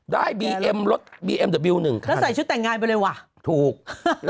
บีเอ็มรถบีเอ็มเดอร์บิวหนึ่งคันแล้วใส่ชุดแต่งงานไปเลยว่ะถูก